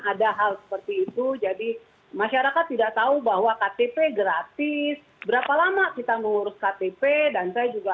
ada hal seperti itu jadi masyarakat tidak tahu bahwa ktp gratis berapa lama kita mengurus ktp dan saya juga